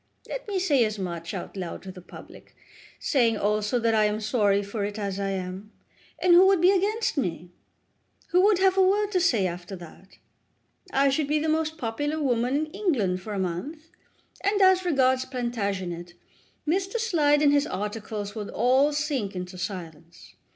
Let me say as much, out loud to the public, saying also that I am sorry for it, as I am, and who would be against me? Who would have a word to say after that? I should be the most popular woman in England for a month, and, as regards Plantagenet, Mr. Slide and his articles would all sink into silence.